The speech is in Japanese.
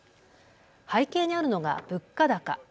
背景にあるのが物価高。